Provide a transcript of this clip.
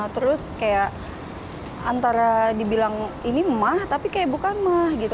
terus kayak antara dibilang ini emah tapi kayak bukan mah gitu